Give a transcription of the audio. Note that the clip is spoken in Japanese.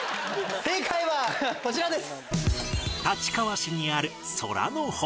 正解はこちらです。